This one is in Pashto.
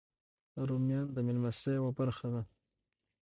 رومیان د میلمستیا یوه برخه ده